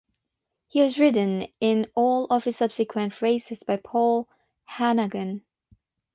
He was ridden in all of his subsequent races by Paul Hanagan.